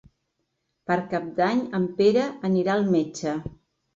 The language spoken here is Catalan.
Per Cap d'Any en Pere anirà al metge.